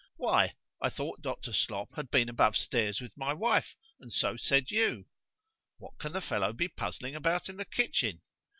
——Why, I thought Dr. Slop had been above stairs with my wife, and so said you.——What can the fellow be puzzling about in the kitchen!